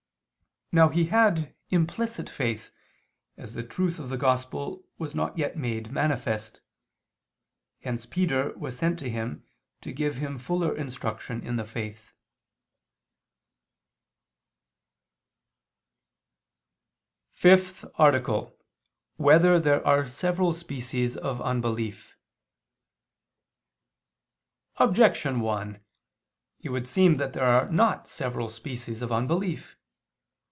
Now he had implicit faith, as the truth of the Gospel was not yet made manifest: hence Peter was sent to him to give him fuller instruction in the faith. _______________________ FIFTH ARTICLE [II II, Q. 10, Art. 5] Whether There Are Several Species of Unbelief? Objection 1: It would seem that there are not several species of unbelief.